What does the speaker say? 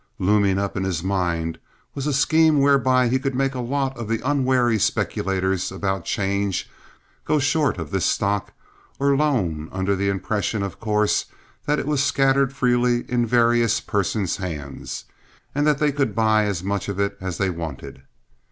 Looming up in his mind was a scheme whereby he could make a lot of the unwary speculators about 'change go short of this stock or loan under the impression, of course, that it was scattered freely in various persons' hands, and that they could buy as much of it as they wanted.